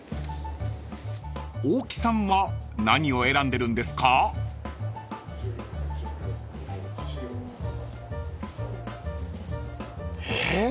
［大木さんは何を選んでるんですか？］え！？